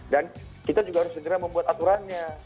dan kita juga harus segera membuat aturannya